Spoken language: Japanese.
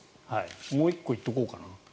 もう１個、行っとこうか。